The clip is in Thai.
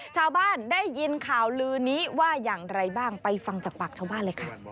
ชาวบ้านได้ยินข่าวลือนี้ว่าอย่างไรบ้างไปฟังจากปากชาวบ้านเลยค่ะ